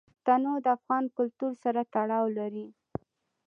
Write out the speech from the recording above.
تنوع د افغان کلتور سره تړاو لري.